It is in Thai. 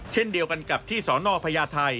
เช่นเดียวกันกับที่สนพญาไทย